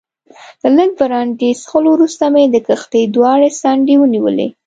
له لږ برانډي څښلو وروسته مې د کښتۍ دواړې څنډې ونیولې.